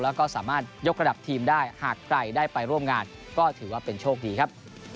แล้วก็สามารถยกระดับทีมได้หากใครได้ไปร่วมงานก็ถือว่าเป็นโชคดีครับ